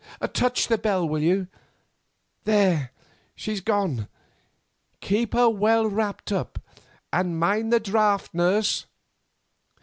Touch the bell, will you? There, she's gone. Keep her well wrapped up, and mind the draught, nurse.